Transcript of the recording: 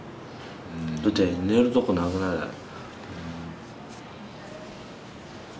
だって寝るとこなくなるやろ。